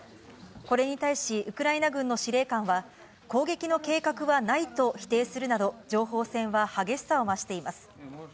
これに対し、ウクライナ軍の司令官は、攻撃の計画はないと否定するなど、情報戦は激しさを増しています。